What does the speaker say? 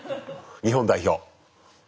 日本代表。